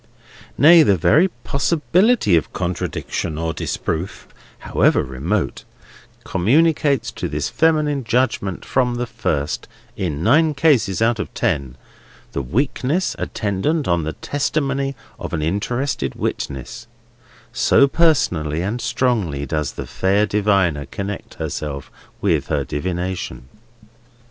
Nay, the very possibility of contradiction or disproof, however remote, communicates to this feminine judgment from the first, in nine cases out of ten, the weakness attendant on the testimony of an interested witness; so personally and strongly does the fair diviner connect herself with her divination.